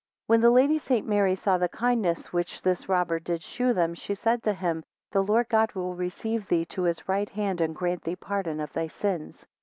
5 When the Lady St. Mary saw the kindness which this robber did shew them, she said to him, The Lord God will receive thee to his right hand and grant thee pardon of thy sins.